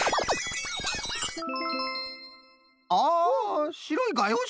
あしろいがようし？